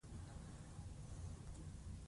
کچالو د فاسټ فوډ اساسي برخه ده